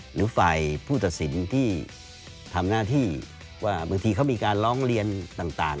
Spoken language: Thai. หรือฝ่ายผู้ตัดสินที่ทำหน้าที่ว่าบางทีเขามีการร้องเรียนต่าง